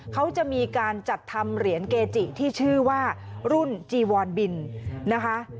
เขาจะมีการจัดทำเหรียญเกจิที่ชื่อว่ารุ่นจีวอนบินนะคะ